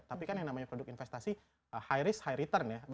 tapi kan yang namanya produk investasi high risk high return ya